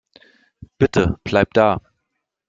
Bitte, bleib da.